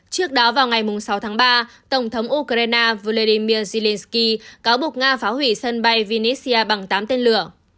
trước đó vào ngày sáu tháng ba tổng thống ukraine volodymyr zelensky cáo buộc nga phá hủy sân bay vnedia bằng tám tên lửa